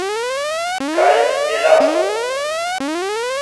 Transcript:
Kaj melaso!